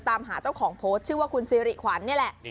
ตามหาเจ้าของโพสต์ชื่อว่าคุณซิริขวัญนี่แหละ